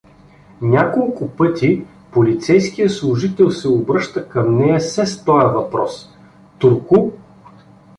Няколко пъти полицейския служител се обръща към нея се с тоя въпрос: — Турку?